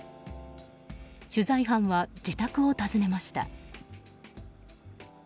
取材班は自宅を訪ねました。